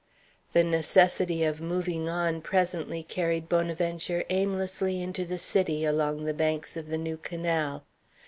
The necessity of moving on presently carried Bonaventure aimlessly into the city along the banks of the New Canal.